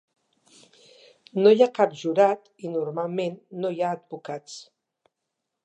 No hi ha cap jurat i normalment no hi ha advocats.